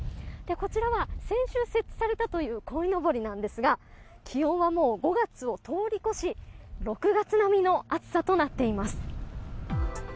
こちらは、先週設置されたというこいのぼりなんですが気温はもう５月を通り越し６月並みの暑さとなっています。